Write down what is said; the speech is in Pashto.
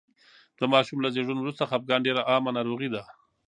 د ماشوم له زېږون وروسته خپګان ډېره عامه ناروغي ده.